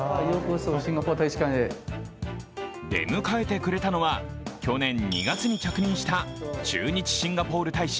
出迎えてくれたのは、去年２月に着任した駐日シンガポール大使